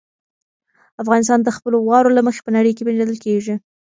افغانستان د خپلو واورو له مخې په نړۍ کې پېژندل کېږي.